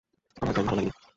আমার ড্রয়িং ভালো লাগেনি?